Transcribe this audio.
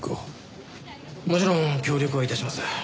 もちろん協力は致します。